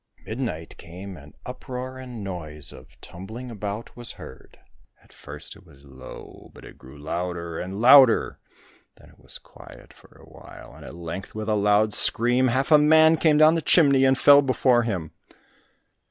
When midnight came, an uproar and noise of tumbling about was heard; at first it was low, but it grew louder and louder. Then it was quiet for awhile, and at length with a loud scream, half a man came down the chimney and fell before him.